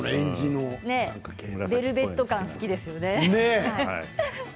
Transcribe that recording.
ベルベット感がお好きですよね。